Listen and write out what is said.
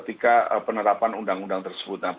ketika penerapan undang undang tersebut